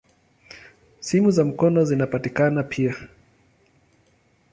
Simu za mkono zinapatikana pia.